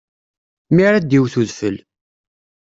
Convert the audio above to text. Mi ara d-iwwet udfel.